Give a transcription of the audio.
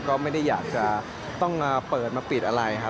ก็ไม่ได้อยากจะต้องมาเปิดมาปิดอะไรครับ